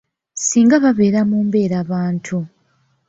Singa babeera mu mbeerabantu.